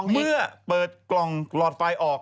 เมื่อเปิดกล่องหลอดไฟออก